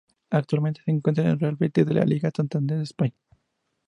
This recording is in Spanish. Actualmente se encuentra en el Real Betis de la LaLiga Santander de España.